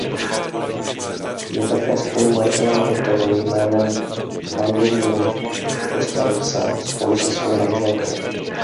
Je také spolumajitelem hotelu jménem „Mango Moon“ v Kostarice spolu se svou manželkou.